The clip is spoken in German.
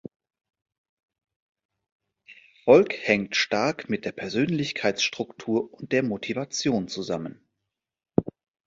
Der Erfolg hängt stark mit der Persönlichkeitsstruktur und der Motivation zusammen.